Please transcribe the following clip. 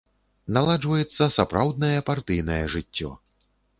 Наладжваецца сапраўднае партыйнае жыццё.